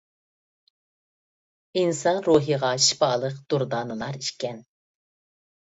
ئىنسان روھىغا شىپالىق دۇردانىلەر ئىكەن.